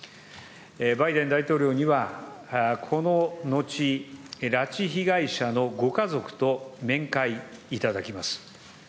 バイデン大統領にはこののち、拉致被害者のご家族と面会いただきます。